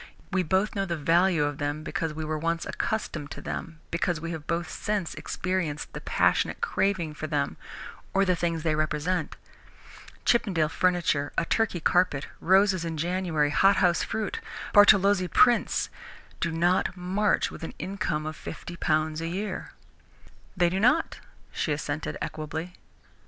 "We know the value of them because we were once accustomed to them, because we have both since experienced the passionate craving for them or the things they represent. Chippendale furniture, a Turkey carpet, roses in January, hothouse fruit, Bartolozzi prints, do not march with an income of fifty pounds a year." "They do not," she assented equably.